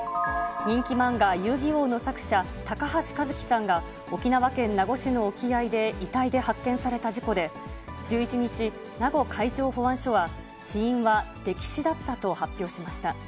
人気漫画、遊戯王の作者、高橋和希さんが、沖縄県名護市の沖合で遺体で発見された事故で、１１日、名護海上保安署は死因は溺死だったと発表しました。